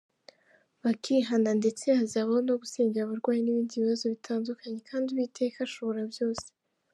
bakihana, ndetse hazabaho no gusengera abarwayi n'ibindi bibazo bitandukanye kandi Uwiteka ashobora byose.